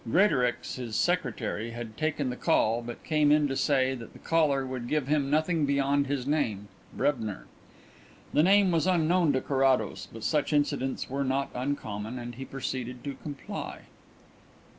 Greatorex, his secretary, had taken the call, but came in to say that the caller would give him nothing beyond his name Brebner. The name was unknown to Carrados, but such incidents were not uncommon, and he proceeded to comply.